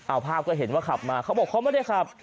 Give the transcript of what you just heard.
เอาภาพก็เห็นว่าขับมาเขาบอกเขาไม่ได้ขับ